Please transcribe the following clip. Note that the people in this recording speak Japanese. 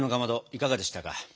いかがでしたか？